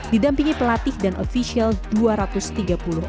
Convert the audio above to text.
didampingi pelatih dan ofisial dua rakyat